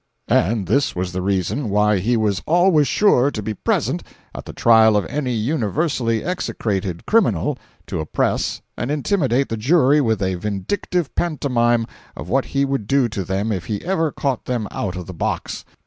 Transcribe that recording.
—And this was the reason why he was always sure to be present at the trial of any universally execrated criminal to oppress and intimidate the jury with a vindictive pantomime of what he would do to them if he ever caught them out of the box.